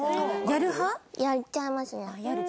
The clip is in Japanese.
やっちゃいますねあれ。